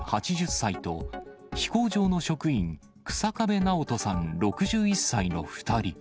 ８０歳と、飛行場の職員、日下部直人さん６１歳の２人。